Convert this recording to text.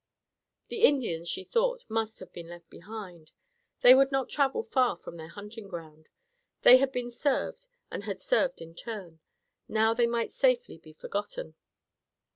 The Indians, she thought, must have been left behind. They would not travel far from their hunting ground. They had been served, and had served in turn. Now they might safely be forgotten.